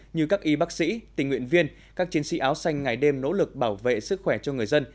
như các y bác sĩ tình nguyện viên các chiến sĩ áo xanh ngày đêm nỗ lực bảo vệ sức khỏe cho người dân